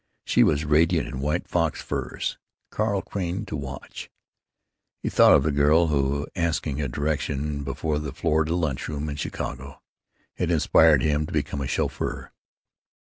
She was radiant in white fox furs. Carl craned to watch. He thought of the girl who, asking a direction before the Florida Lunch Room in Chicago, had inspired him to become a chauffeur.